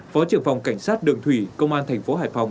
phó trưởng phòng cảnh sát đường thủy công an thành phố hải phòng